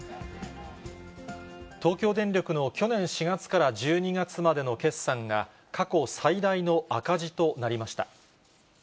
東京電力の去年４月から１２月までの決算が、過去最大の赤字となりました。